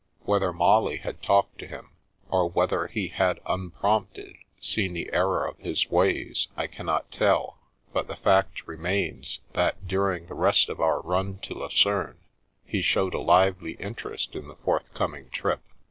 Whether Molly had talked to him, or whether he had, unprompted, seen the error of his ways, I cannot tell, but the fact remains that, during the rest of our run to Lucerne, he showed a lively interest in the forthcoming trip.